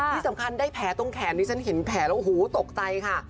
ที่สำคัญได้แผลตรงแขนดิฉันเห็นแผลแล้วโอ้โหตกใจค่ะ